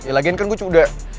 yelagian kan gue udah